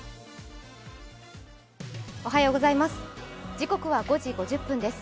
時刻は５時５０分です。